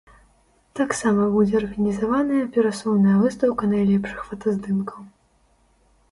Таксама будзе арганізаваная перасоўная выстаўка найлепшых фотаздымкаў.